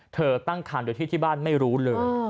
ตั้งคันโดยที่ที่บ้านไม่รู้เลย